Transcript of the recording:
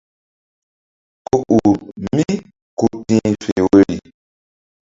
Ku ur mí ku tih fe woyri.